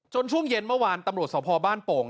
ช่วงเย็นเมื่อวานตำรวจสพบ้านโป่ง